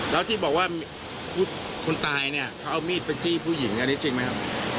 แล้วที่บอกว่าคนตายเนี่ยเขาเอามีดไปจี้ผู้หญิงอันนี้จริงไหมครับ